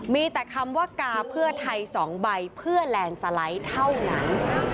มีแต่คำว่ากาเพื่อไทย๒ใบเพื่อแลนด์สไลด์เท่านั้น